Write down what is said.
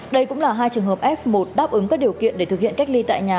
đây cũng là hai trường hợp f một đáp ứng các điều kiện để thực hiện cách ly tại nhà